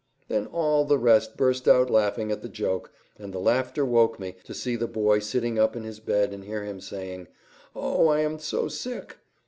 Then all the rest burst out laughing at the joke, and the laughter woke me, to see the boy sitting up in his bed and hear him saying: "Oh, I am so sick!"